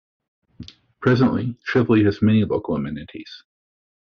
Presently, Cheveley has many local amenities.